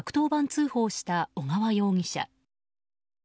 通報した小川容疑者。